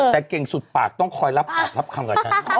แต่เก่งสุดปากต้องคอยรับปากรับคำกับฉัน